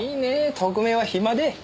特命は暇で。